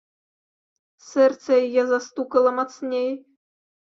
Сэрца яе застукала мацней.